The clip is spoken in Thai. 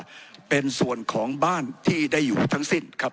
ผมจะขออนุญาตให้ท่านอาจารย์วิทยุซึ่งรู้เรื่องกฎหมายดีเป็นผู้ชี้แจงนะครับ